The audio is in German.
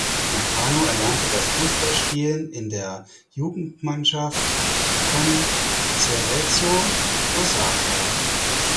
Nakano erlernte das Fußballspielen in der Jugendmannschaft von Cerezo Osaka.